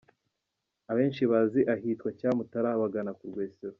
Abenshi bazi ahitwa Cyamutara bagana ku Rwesero.